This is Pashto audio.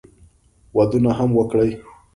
ودونه هم وکړي.